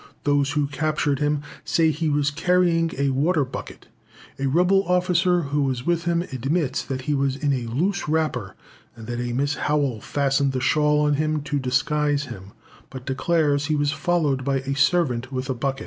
Those who captured him say he was carrying a water bucket. A rebel officer who was with him admits that he was in a loose wrapper, and that a Miss Howell fastened the shawl on to disguise him, but declares he was followed by a servant with a bucket.